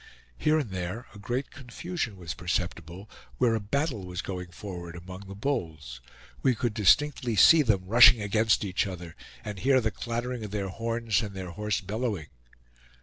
Here and there a great confusion was perceptible, where a battle was going forward among the bulls. We could distinctly see them rushing against each other, and hear the clattering of their horns and their hoarse bellowing.